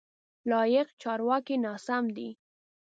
لایق: چارواکی ناسم دی.